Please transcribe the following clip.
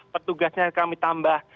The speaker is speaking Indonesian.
petugasnya kami tambah